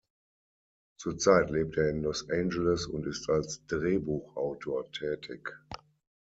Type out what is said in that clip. Zurzeit lebt er in Los Angeles und ist als Drehbuchautor tätig.